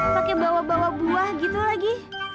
pakai bawa bawa buah gitu lagi